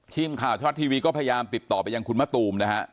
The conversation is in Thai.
ทีมข่าวชาวรัฐทีวีก็พยายามติดต่อไปยังคุณมะตูมนะฮะ